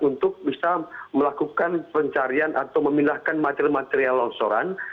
untuk bisa melakukan pencarian atau memindahkan material material longsoran